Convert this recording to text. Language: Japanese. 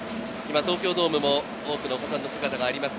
東京ドームも多くのお子さん姿があります。